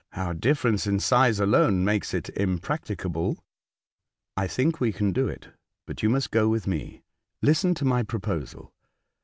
Our difference in size alone makes it impracticable." " I think we can do it, but you must go with me. Listen to my proposal.